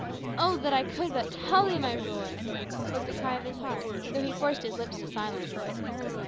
Oh, that I could but tell thee, my Ruy!" was the cry of his heart, though he forced his lips to silence.